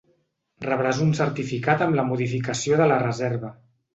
Rebràs un certificat amb la modificació de la reserva.